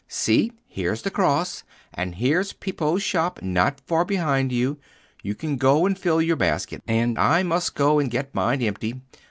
See, here's the cross: and there's Pippo's shop not far behind you: you can go and fill your basket, and I must go and get mine empty.